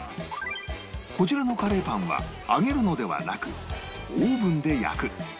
こちらのカレーパンは揚げるのではなくオーブンで焼く